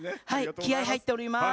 気合い入っております。